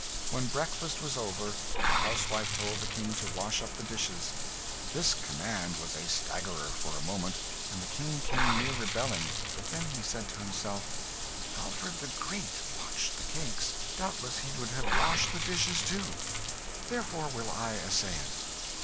When breakfast was over, the housewife told the King to wash up the dishes. This command was a staggerer, for a moment, and the King came near rebelling; but then he said to himself, "Alfred the Great watched the cakes; doubtless he would have washed the dishes too therefore will I essay it."